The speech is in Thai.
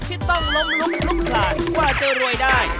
ที่ต้องล้มลุกลุกลานกว่าจะรวยได้